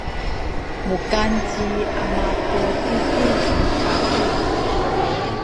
mukan ci ama tu titi nu pabuy.